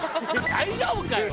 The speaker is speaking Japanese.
大丈夫かよ！